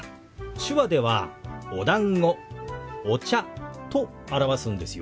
手話では「おだんご」「お茶」と表すんですよ。